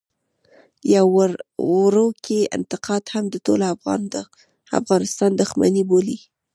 يو وړوکی انتقاد هم د ټول افغانستان دښمني بولي.